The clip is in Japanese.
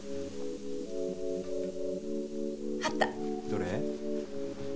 どれ？